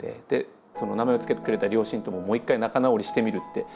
でその名前を付けてくれた両親とももう一回仲直りしてみるって。